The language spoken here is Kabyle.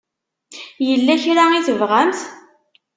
Yella kra i tebɣamt?